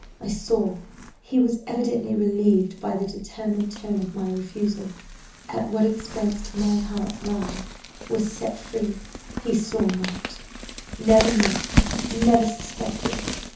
I saw he was evidently relieved by the determined tone of my refusal at what expense to my heart he was set free, he saw not never knew never suspected.